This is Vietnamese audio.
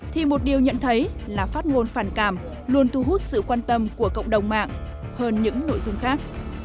thì một điều nhận thấy là phát ngôn phản cảm luôn thu hút sự quan tâm của cộng đồng mạng hơn những nội dung khác